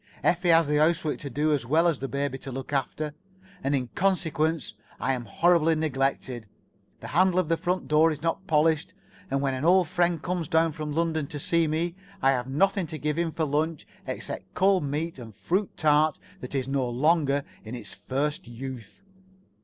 Effie has the housework to do as well as the baby to look after, and in consequence, I [Pg 57]am horribly neglected. The handle of the front door is not polished, and when an old friend comes down from London to see me, I have nothing to give him for lunch except cold meat and a fruit tart that is no longer in its first youth.